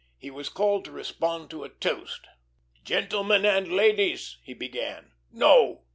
He was called to respond to a toast. "Gentlemen and ladies!" he began. "No!